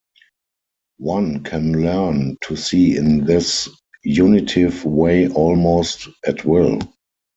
One can learn to see in this Unitive way almost at will.